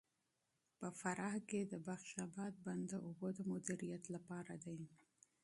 په فراه کې د بخش اباد بند د اوبو د مدیریت لپاره دی.